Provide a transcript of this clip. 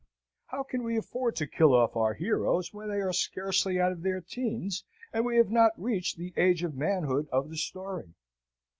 How can we afford to kill off our heroes, when they are scarcely out of their teens, and we have not reached the age of manhood of the story?